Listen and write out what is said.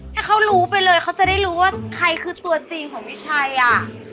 ให้เขารู้ไปเลยเขาจะได้รู้ว่าใครคือตัวจริงของพี่ชัยอ่ะ